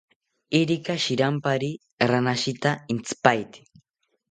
Irika shirampari ranashita intzipaete